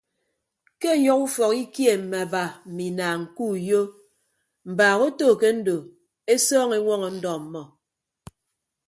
Ke ọyọhọ ufọk ikie mme aba mme inaañ ke uyo mbaak oto ke ndo esọọñọ eñwọñọ ndọ ọmmọ.